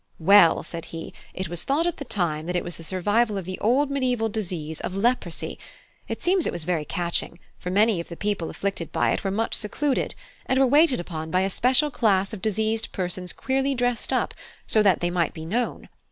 "Well," said he, "it was thought at the time that it was the survival of the old mediaeval disease of leprosy: it seems it was very catching, for many of the people afflicted by it were much secluded, and were waited upon by a special class of diseased persons queerly dressed up, so that they might be known.